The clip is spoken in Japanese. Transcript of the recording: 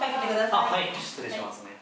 あっはい失礼しますね。